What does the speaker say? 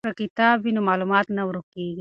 که کتاب وي نو معلومات نه ورک کیږي.